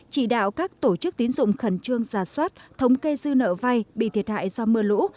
chỉ đạo các tổ chức tín dụng khẩn trương giả soát thống kê dư nợ vay bị thiệt hại do mưa lũ